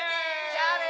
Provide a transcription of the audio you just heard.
じゃあね。